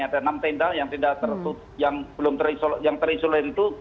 ada enam tenda yang belum terinsulin itu